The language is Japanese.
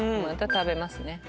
また食べますね。